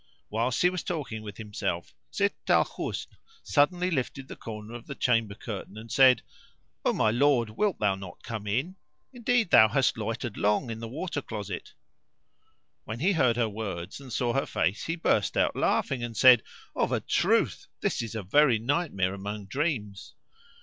Whilst he was talking with himself, Sitt al Husn suddenly lifted the corner of the chamber curtain and said, "O my lord, wilt thou not come in? Indeed thou hast loitered long in the water closet." When he heard her words and saw her face he burst out laughing and said, "Of a truth this is a very nightmare among dreams!"